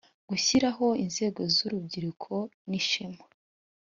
gushyiraho inzego z urubyiruko nishema